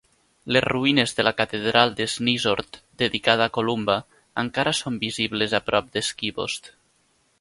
Les ruïnes de la Catedral de Snizort, dedicada a Columba, encara són visibles a prop de Skeabost.